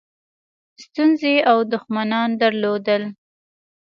ستونزې او دښمنان درلودل.